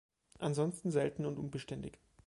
Ansonsten selten und unbeständig.